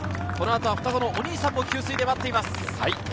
このあと双子のお兄さんが給水で待ってます。